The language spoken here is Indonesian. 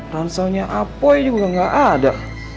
ransanya apa juga gak ada